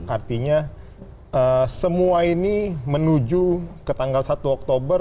artinya semua ini menuju ke tanggal satu oktober